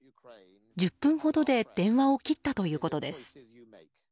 １０分ほどで電話を切ったということです。